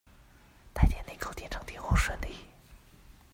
台電林口電廠點火順利